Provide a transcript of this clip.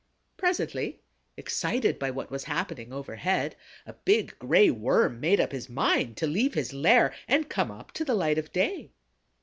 Presently, excited by what was happening overhead, a big Gray Worm made up his mind to leave his lair and come up to the light of day.